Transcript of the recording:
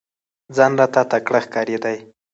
ځان راته تکړه ښکارېدی !